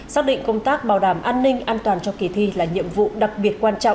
xác định công tác bảo đảm an ninh an toàn cho kỳ thi là nhiệm vụ đặc biệt quan trọng